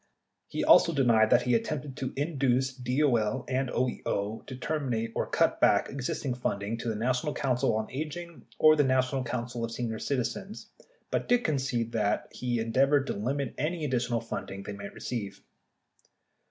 He also denied that he attempted to induce DOL and OEO to terminate or cut back existing funding to the National Council on Aging or the National Council of Senior Citi zens, but did concede that he endeavored to limit any additional funding they might receive.